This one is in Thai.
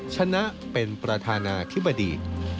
ชนะเป็นประธานาธิบดี